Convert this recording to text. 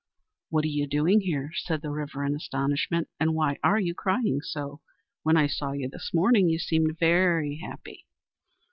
"What are you doing here?" said the River, in astonishment, "and why are you crying so? When I saw you this morning you seemed very happy."